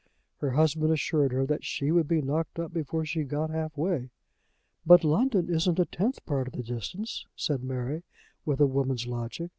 Her husband assured her that she would be knocked up before she got half way. "But London isn't a tenth part of the distance," said Mary, with a woman's logic.